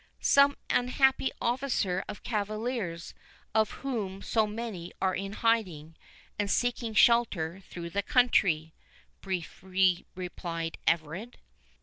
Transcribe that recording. "Some unhappy officer of cavaliers, of whom so many are in hiding, and seeking shelter through the country," briefly replied Everard.